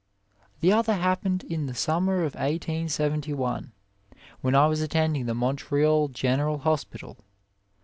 1 The other happened in the summer of 1871, when I was attending the Montreal General Hospital.